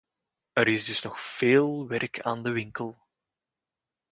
Er is dus nog veel werk aan de winkel.